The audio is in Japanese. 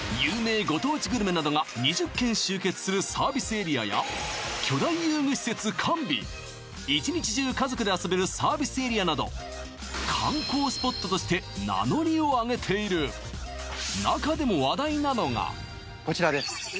するサービスエリアや巨大遊具施設完備１日中家族で遊べるサービスエリアなど観光スポットとして名乗りをあげている中でもこちらです